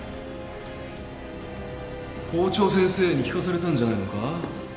校長先生に聞かされたんじゃないのか？